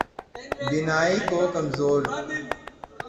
بینائی کو کمزور